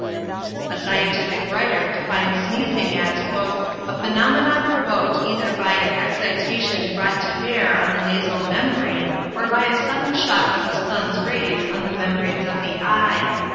A scientific writer defines sneezing as "a phenomenon provoked either by an excitation brought to bear on the nasal membrane or by a sudden shock of the sun's rays on the membranes of the eye.